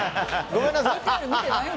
ごめんなさい。